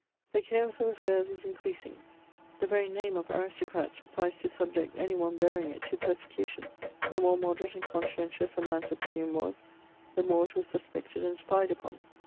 The chaos of affairs was increasing ; the very name of aristocrat sufficed to subject any one bearing it to persecution ; the more moderate and conscientious a man's opinion was, the more it was suspected imd spied upon.